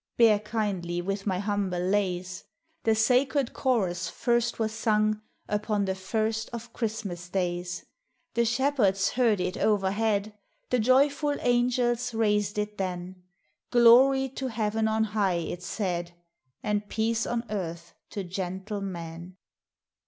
(Bear kindly with my humble lays;) The sacred chorus first was sung Upon the first of Christmas days; The shepherds heard it overhead, — The joyful angels raised it then: Glory to Heaven on high, it said, And peace on earth to gentle men!